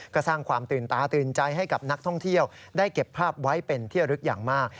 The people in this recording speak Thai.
ก็สร้างความตื่นตาตื่นใจให้กับนักท่องเที่ยวได้เก็บภาพไว้เป็นเที่ยวลึกอย่างมาก